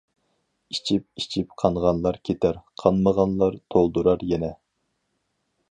ئىچىپ-ئىچىپ قانغانلار كېتەر، قانمىغانلار تولدۇرار يەنە.